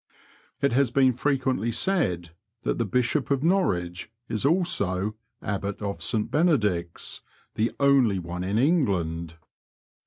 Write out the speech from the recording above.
It has been frequently said that the Bishop of Norwich is also Abbot of Bt Benedict's — "the only one in England."